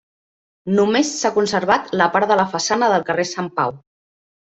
Només s'ha conservat la part de la façana del carrer Sant Pau.